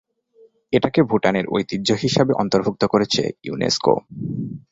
এটাকে ভুটানের ঐতিহ্য হিসাবে অন্তর্ভুক্ত করেছে ইউনেস্কো।